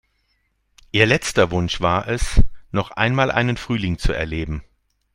Ihr letzter Wunsch war es, noch einmal einen Frühling zu erleben.